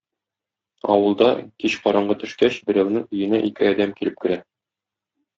Авылда, кич караңгы төшкәч, берәүнең өенә ике адәм килеп керә.